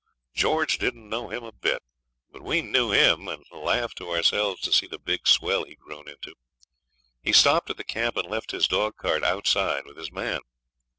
George didn't know him a bit. But we knew him and laughed to ourselves to see the big swell he had grown into. He stopped at the camp and left his dogcart outside with his man.